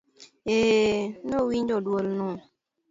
eeee, Nowinjo duol no.